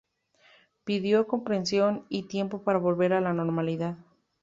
Pidió "comprensión" y tiempo para volver a la normalidad.